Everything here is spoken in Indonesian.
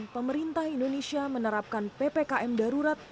pemerintah indonesia menerapkan ppkm darurat